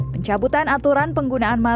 pencabutan aturan penggunaan masker